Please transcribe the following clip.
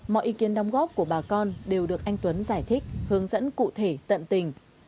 mọi ý kiến đóng góp của bà con đều được anh tuấn giải thích hướng dẫn cụ thể tận tình